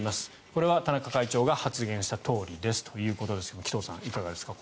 これは田中会長が発言したとおりですということですが紀藤さん、いかがですか